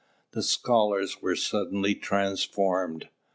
The scholars were suddenly transformed.